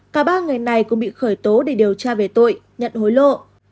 cả ba người này cũng bị khởi tố để điều tra về tội nhận hối lộ